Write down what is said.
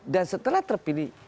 dan setelah terpilih